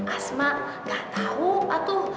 asma gak tau pak tuh